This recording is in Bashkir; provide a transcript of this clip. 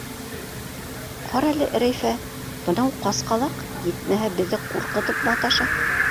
— Ҡарале, Рәйфә, бынау ҡасҡалаҡ етмәһә беҙҙе ҡурҡытып маташа.